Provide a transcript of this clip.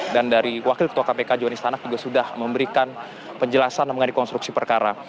dan dari wakil ketua kpk jowani stanak juga sudah memberikan penjelasan mengenai konstruksi perkara